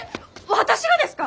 私がですか！？